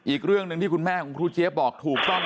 อีกเรื่องที่คุณแม่ของคุณครูเจ๊บอกถูกต้อง